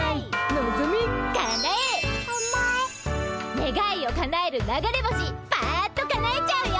ねがいをかなえる流れ星っパッとかなえちゃうよ。